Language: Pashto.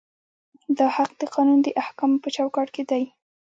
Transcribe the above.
دا حق د قانون د احکامو په چوکاټ کې دی.